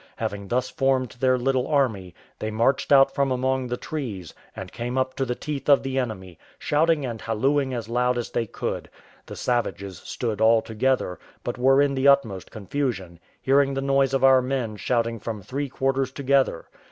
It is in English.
Having thus formed their little army, they marched out from among the trees, and came up to the teeth of the enemy, shouting and hallooing as loud as they could; the savages stood all together, but were in the utmost confusion, hearing the noise of our men shouting from three quarters together.